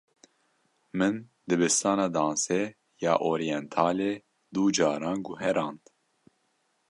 Min dibistana dansê ya oryentalê du caran guherand.